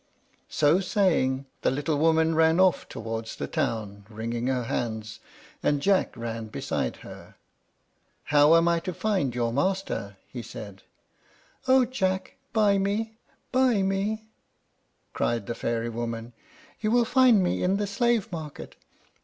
So saying, the little woman ran off towards the town, wringing her hands, and Jack ran beside her. "How am I to find your master?" he said. "O Jack, buy me! buy me!" cried the fairy woman. "You will find me in the slave market.